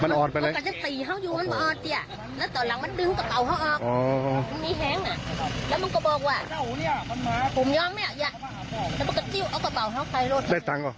มันแปลกตู้แล้วกระเบาเข้าไปเน็ต